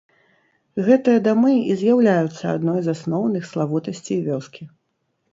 Гэтыя дамы і з'яўляюцца адной з асноўных славутасцей вёскі.